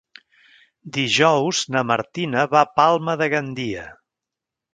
Dijous na Martina va a Palma de Gandia.